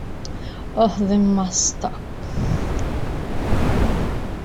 Oh, they must suck.